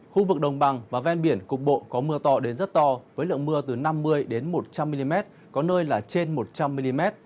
khu vực đồng bằng và ven biển cục bộ có mưa to đến rất to với lượng mưa từ năm mươi một trăm linh mm có nơi là trên một trăm linh mm